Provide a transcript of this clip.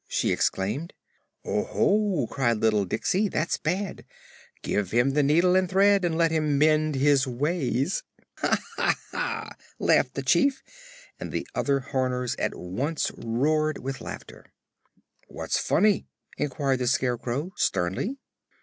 she exclaimed. "Oho!" cried little Diksey; "that's bad. Give him the needle and thread and let him mend his ways." "Ha, ha, ha!" laughed the Chief, and the other Horners at once roared with laughter. "What's funny?" inquired the Scarecrow sternly.